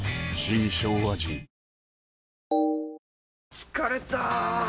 疲れた！